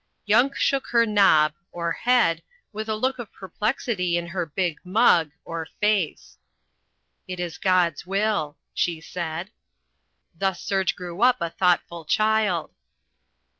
Yump shook her knob, or head, with a look of perplexity on her big mugg, or face. "It is God's will," she said. Thus Serge grew up a thoughtful child.